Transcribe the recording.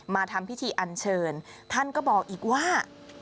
มาทำพิธีอันเชิญท่านก็บอกอีกว่า